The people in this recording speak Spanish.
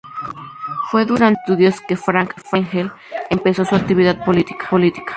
Fue durante sus estudios que Frank Engel empezó su actividad política.